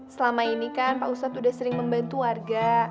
selama ini kan pak ustadz sudah sering membantu warga